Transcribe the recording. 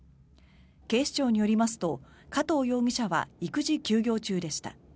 警視庁によりますと加藤容疑者は育児休業中でした。